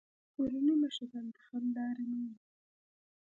کورني مشران د حل لارې مومي.